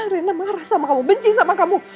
erina marah sama kamu benci sama kamu